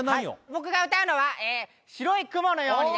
僕が歌うのは「白い雲のように」